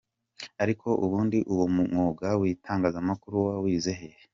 Ariko ubundi uwo mwuga w’itangazamakuru wawize he.